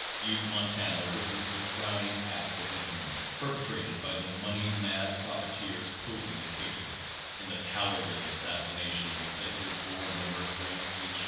Butte, Montana, witnessed the crowning act of in famy, perpetrated by the money mad profiteers posing as patriots, in the cowardly assassination of Executive Board Member Frank H.